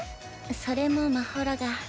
それもまほろが。